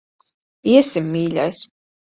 Iesim, mīļais.